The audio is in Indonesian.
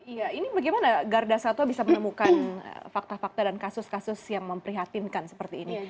iya ini bagaimana garda satwa bisa menemukan fakta fakta dan kasus kasus yang memprihatinkan seperti ini